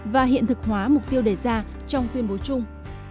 và hiện thực hóa mục tiêu đề ra trong tuyên bố chung